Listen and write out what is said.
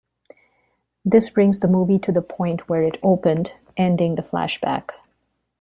This brings the movie to the point where it opened, ending the flashback.